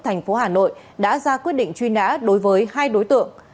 thành phố hà nội đã ra quyết định truy nã đối với hai đối tượng